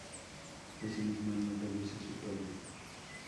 Ese mismo año fallece su padre.